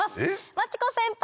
真知子先輩！